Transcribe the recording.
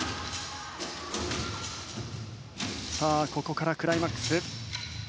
ここからクライマックス。